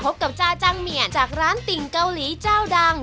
กับจ้าจังเหมียจากร้านติ่งเกาหลีเจ้าดัง